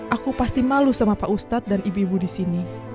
aku pasti malu sama pak ustadz dan ibu ibu di sini